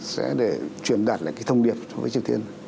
sẽ để truyền đặt lại cái thông điệp với triều tiên